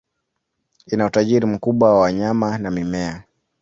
Ina utajiri mkubwa wa wanyama na mimea.